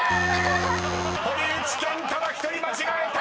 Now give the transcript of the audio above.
［堀内健ただ１人間違えた！］